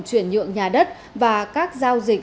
chuyển nhượng nhà đất và các giao dịch